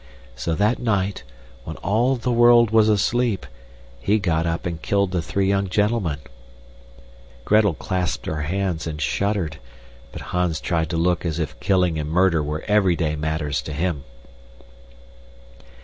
So that night, when all the world was asleep, he got up and killed the three young gentlemen." Gretel clasped her hands and shuddered, but Hans tried to look as if killing and murder were everyday matters to him.